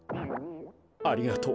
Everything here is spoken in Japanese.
ありがとう。